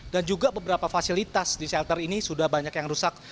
dan juga beberapa fasilitas di shelter ini sudah banyak yang rusak